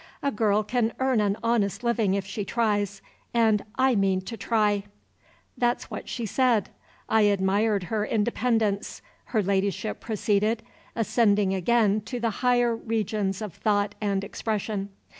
A girl can earn an honest living if she tries; and I mean to try' that's what she said. I admired her independence," her Ladyship proceeded, ascending again to the higher regions of thought and expression.